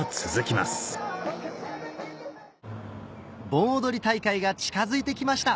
盆踊り大会が近づいてきました